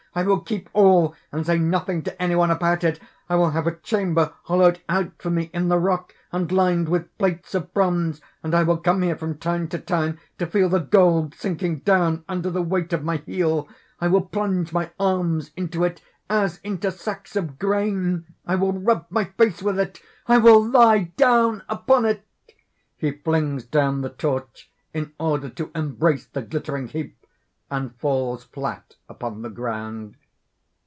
I will keep all, and say nothing to any one about it; I will have a chamber hollowed out for me in the rock, and lined with plates of bronze, and I will come here from time to time to feel the gold sinking down under the weight of my heel; I will plunge my arms into it as into sacks of grain! I will rub my face with it, I will lie down upon it!" (_He flings down the torch in order to embrace the glittering heap, and falls flat upon the ground.